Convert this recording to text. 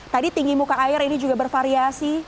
tadi tinggi muka air ini juga bervariasi